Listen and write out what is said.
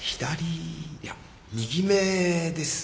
いや右目ですね。